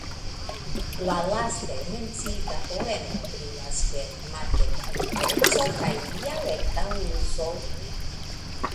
La laste menciita poemo brilas per matematikeco kaj dialekta uzo.